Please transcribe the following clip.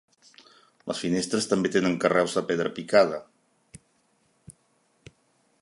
Les finestres també tenen carreus de pedra picada.